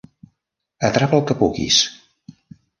Atrapa el que puguis.